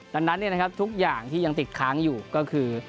ดังนั้นทุกอย่างที่ยังติดค้างอยู่ก็คือ